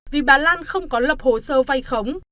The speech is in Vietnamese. vì bà lan không có lập hồ sơ vay khống